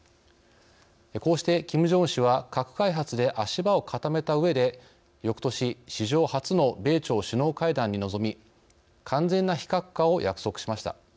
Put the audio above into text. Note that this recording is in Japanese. こうして、キム・ジョンウン氏は核開発で足場を固めたうえでよくとし史上初の米朝首脳会談に臨み完全な非核化を約束しました。